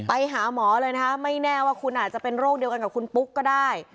ไปหาหมอเลยนะคะไม่แน่ว่าคุณอาจจะเป็นโรคเดียวกันกับคุณปุ๊กก็ได้